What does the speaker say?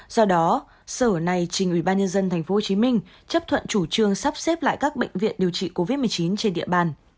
do đó sở này trình ubnd tp hcm chấp thuận chủ trương sắp xếp lại các bệnh viện điều trị covid một mươi chín trên địa bàn